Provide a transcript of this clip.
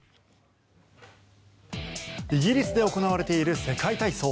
イギリスで行われている世界体操。